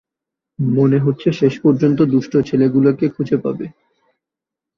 মনে হচ্ছে শেষপর্যন্ত দুষ্টু ছেলেগুলোকে খুঁজে পাবে।